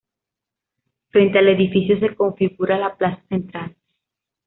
Frente al edificio se configura la plaza central.